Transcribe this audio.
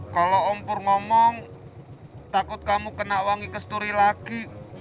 kalau ompur ngomong takut kamu kena wangi kesuri lagi